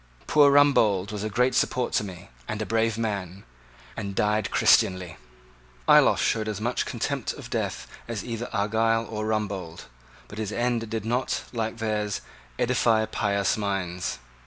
"Poor Rumbold was a great support to me, and a brave man, and died Christianly." Ayloffe showed as much contempt of death as either Argyle or Rumbold: but his end did not, like theirs, edify pious minds.